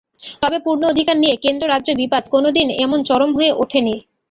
তবে পূর্ণ অধিকার নিয়ে কেন্দ্র-রাজ্য বিবাদ কোনো দিন এমন চরম হয়ে ওঠেনি।